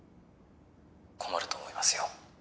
困ると思いますよ